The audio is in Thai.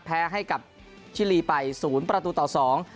แพ้ให้กับชิลีไปศูนย์ประตูต่อสอง